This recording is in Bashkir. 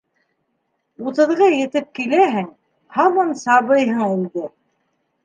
Утыҙға етеп киләһең, һаман сабыйһың инде.